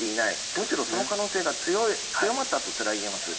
むしろ、その可能性が強まったとすらいえます。